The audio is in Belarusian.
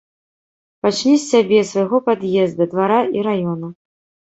Пачні з сябе, свайго пад'езда, двара і раёна.